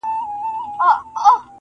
چي په محفل کي شمع ووینم بورا ووینم -